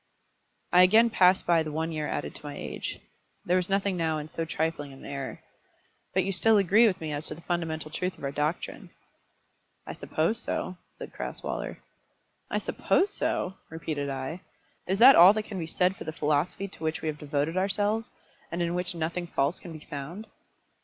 I again passed by the one year added to my age. There was nothing now in so trifling an error. "But you still agree with me as to the fundamental truth of our doctrine." "I suppose so," said Crasweller. "I suppose so!" repeated I. "Is that all that can be said for the philosophy to which we have devoted ourselves, and in which nothing false can be found?"